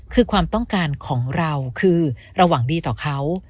คือความต้องการของเราคือเราหวังดีต่อเขา